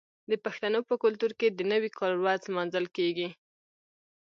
د پښتنو په کلتور کې د نوي کال ورځ لمانځل کیږي.